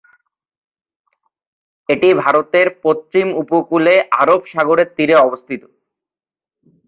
এটি ভারতের পশ্চিম উপকূলে আরব সাগরের তীরে অবস্থিত।